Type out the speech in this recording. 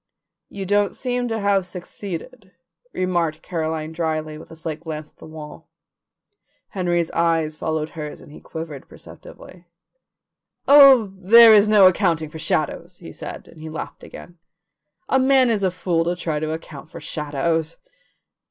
"You don't seem to have succeeded," remarked Caroline dryly, with a slight glance at the wall. Henry's eyes followed hers and he quivered perceptibly. "Oh, there is no accounting for shadows," he said, and he laughed again. "A man is a fool to try to account for shadows."